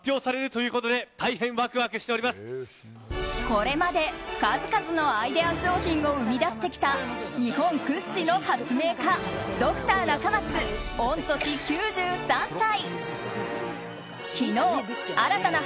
これまで数々のアイデア商品を生み出してきた日本屈指の発明家ドクター中松、御年９３歳。